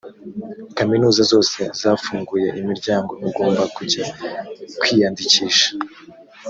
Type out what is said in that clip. kaminuza zose zafunguye imiryango ugomba kujya kwiyandikisha